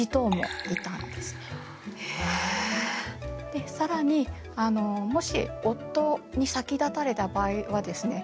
で更にもし夫に先立たれた場合はですね